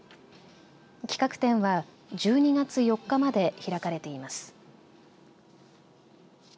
企画展は１２月４日まで開かれています。